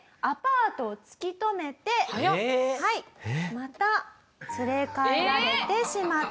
また連れ帰られてしまったと。